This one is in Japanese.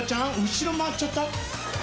後ろ回っちゃった？